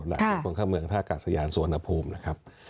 และตรวจคนเข้าเมืองท่าการสยานสวนอภูมินะครับ